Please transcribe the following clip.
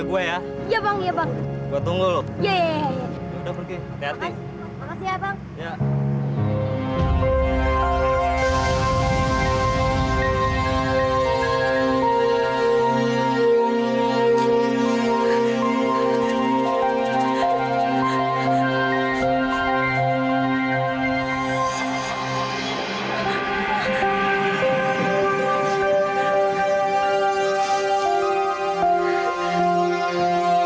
bu nasibat bungkus ya bu